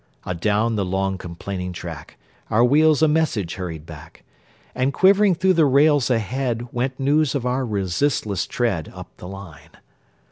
Adown the long, complaining track, Our wheels a message hurried back; And quivering through the rails ahead, Went news of our resistless tread, Up the line.